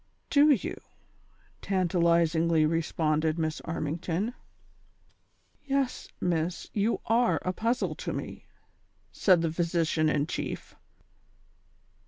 "Do you y " tantalizingly responded Miss Armington. " Yes, miss, you are a puzzle to me," said the physician in chief.